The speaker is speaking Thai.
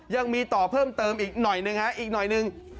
ยังมีต่อเพิ่มเติมอีกหน่อยนึง